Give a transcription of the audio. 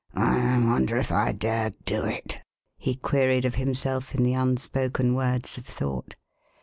"I wonder if I dare do it?" he queried of himself in the unspoken words of thought.